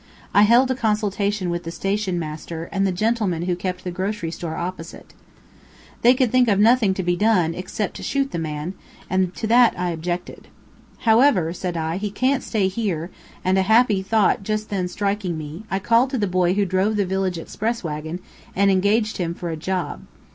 I held a consultation with the station master, and the gentleman who kept the grocery store opposite. They could think of nothing to be done except to shoot the man, and to that I objected. "However," said I, "he can't stay there;" and a happy thought just then striking me, I called to the boy who drove the village express wagon, and engaged him for a job.